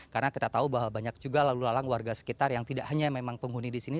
karena kita tahu bahwa banyak juga lalu lalang warga sekitar yang tidak hanya memang penghuni di sini